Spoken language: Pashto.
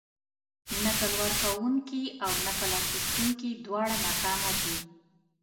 نکل ورکونکي او نکل اخيستونکي دواړه ناکامه دي.